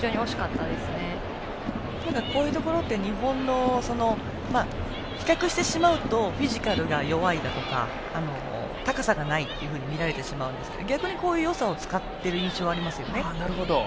ただ、こういうところって比較してしまうとフィジカルが弱いだとか高さがないというふうに見られてしまうんですが逆に、こういうよさを使っている印象もあります。